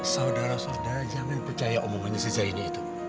saudara saudara jangan percaya omongannya si zaini itu